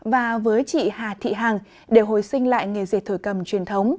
và với chị hà thị hằng để hồi sinh lại nghề dệt thổi cầm truyền thống